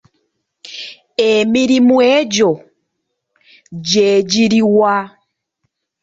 Emirimu egyo gye giri wa?